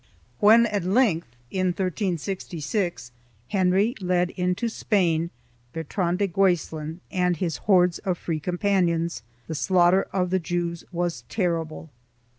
3 When at length, in 1366, Henry led into Spain Bertrand de Guesclin and his hordes of Free Companions, the slaughter of the Jews was terrible.